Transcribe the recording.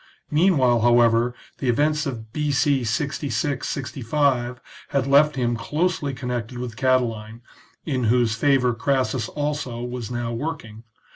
Meanwhile, however, the events of B.C. 66 65 had left him closely connected with Catiline, in whose favour Crassus also was now working.